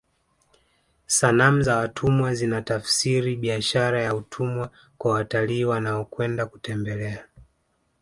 sanamu za watumwa zinatafsiri biashara ya utumwa kwa watalii wanaokwenda kutembelea